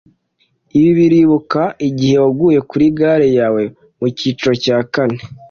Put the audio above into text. Ibi biribuka igihe waguye kuri gare yawe mu cyiciro cya kane